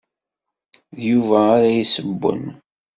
D Yuba ara yessewwen.